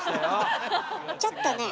ちょっとね